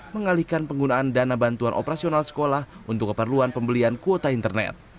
mengalihkan penggunaan dana bantuan operasional sekolah untuk keperluan pembelian kuota internet